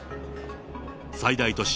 最大都市